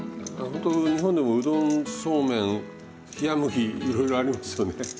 ほんと日本でもうどんそうめん冷や麦いろいろありますよね。